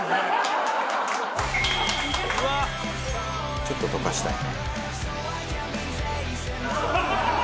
ちょっと溶かしたいね。